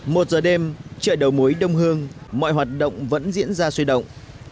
một giờ đêm chợ đầu mối đông hương mọi hoạt động vẫn diễn ra sôi động